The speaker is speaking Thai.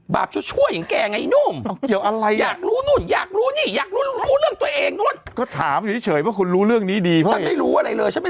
แบบช่วยผ่วยแกไงอีกนุ่ม